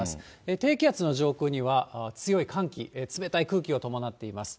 低気圧の上空には、強い寒気、冷たい空気を伴っています。